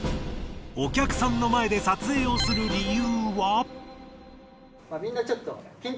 お客さんの前で撮影をする理由は。